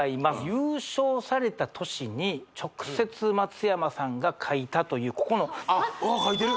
優勝された年に直接松山さんが書いたというここのわあ書いてる！